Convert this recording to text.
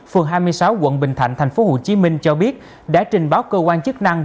phường hai mươi sáu quận bình thạnh tp hcm cho biết đã trình báo cơ quan chức năng